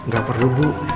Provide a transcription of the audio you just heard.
gak perlu bu